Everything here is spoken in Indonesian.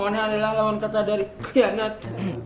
amanah adalah lawan kata dari krianat